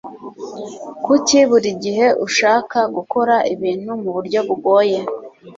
Kuki buri gihe ushaka gukora ibintu muburyo bugoye?